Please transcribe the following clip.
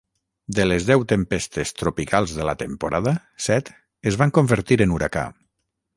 De les deu tempestes tropicals de la temporada, set es van convertir en huracà.